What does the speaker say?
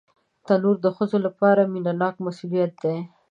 تنور د ښځو لپاره مینهناک مسؤلیت دی